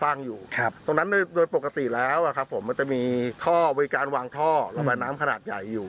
ตรงนั้นโดยปกติแล้วครับมันจะมีวิการวางท่อละแบบน้ำขนาดใหญ่อยู่